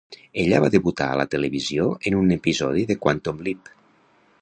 Ella va debutar a la televisió en un episodi de "Quantum Leap".